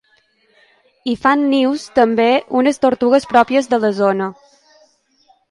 Hi fan nius també unes tortugues pròpies de la zona.